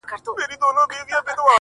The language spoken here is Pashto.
چي مېرمني يې آغازي كړې پوښتني -